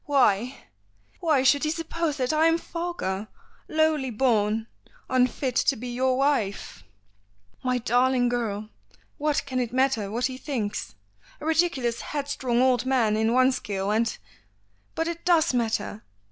"Why, why should he suppose that I am vulgar, lowly born, unfit to be your wife?" "My darling girl, what can it matter what he thinks? A ridiculous headstrong old man in one scale, and " "But it does matter.